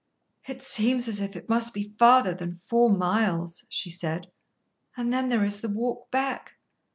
"It seems as if it must be farther than four miles," she said. "And then there is the walk back.